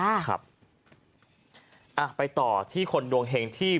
ครับอ่ะไปต่อที่คนดวงเห็งที่